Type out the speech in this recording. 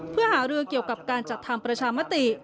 เพื่อหารือเกี่ยวกับการจัดทำประชามติ